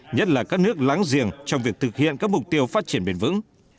nhất là các nước láng giềng trong việc thực hiện các mục tiêu phát triển bền vững